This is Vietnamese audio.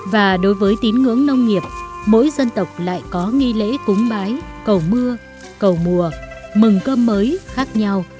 và đối với tín ngưỡng nông nghiệp mỗi dân tộc lại có nghi lễ cúng bái cầu mưa cầu mùa mừng cơm mới khác nhau